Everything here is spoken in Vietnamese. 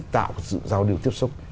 tạo sự giao lưu tiếp xúc